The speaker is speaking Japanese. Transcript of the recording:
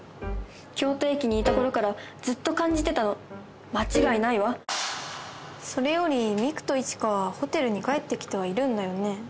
京都駅にいた頃からずっと感じてたの間違いないわそれより三玖と一花はホテルに帰ってきてはいるんだよね？